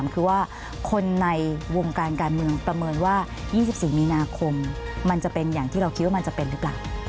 คือว่าคนในวงการการเมืองประเมินว่า๒๔มีนาคมมันจะเป็นอย่างที่เราคิดว่ามันจะเป็นหรือเปล่า